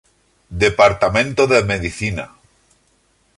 Departamento de Medicina.